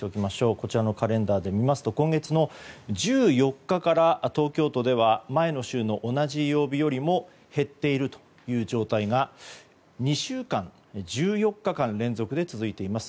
こちらのカレンダーで見ますと今月の１４日から東京都では前の週の同じ曜日よりも減っているという状態が２週間、１４日間連続で続いています。